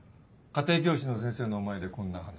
家庭教師の先生の前でこんな話。